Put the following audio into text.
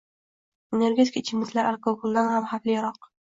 Energetik ichimliklar alkogoldan ham xavfliroq!